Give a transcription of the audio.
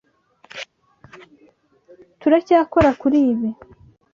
Turacyakora kuri ibi.